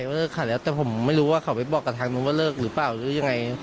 เลิกขาดแล้วแต่ผมไม่รู้ว่าเขาไปบอกกับทางนู้นว่าเลิกหรือเปล่าหรือยังไง